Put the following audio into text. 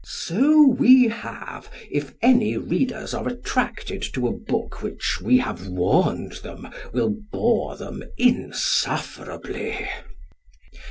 So we have, if any readers are attracted to a book which, we have warned them, will bore them insufferably.